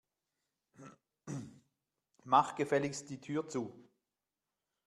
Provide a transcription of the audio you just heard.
Mach gefälligst die Tür zu.